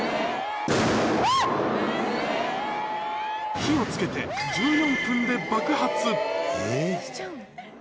火をつけて１４分で爆発。